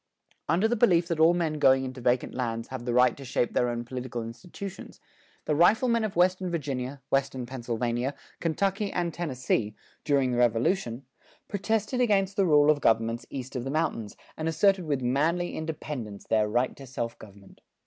[168:1] Under the belief that all men going into vacant lands have the right to shape their own political institutions, the riflemen of western Virginia, western Pennsylvania, Kentucky and Tennessee, during the Revolution, protested against the rule of governments east of the mountains, and asserted with manly independence their right to self government.